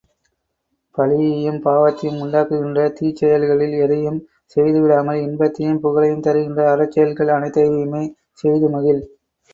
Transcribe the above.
பழியையும் பாவத்தையும் உண்டாக்குகின்ற தீயசெயல்களில் எதையும் செய்துவிடாமல், இன்பத்தையும் புகழையும் தருகின்ற அறச்செயல்கள் அனைத்தையுமே செய்து மகிழ்.